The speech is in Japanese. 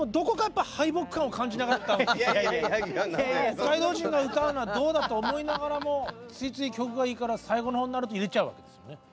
北海道人が歌うのはどうだと思いながらもついつい曲がいいから最後の方になると入れちゃうわけですよ。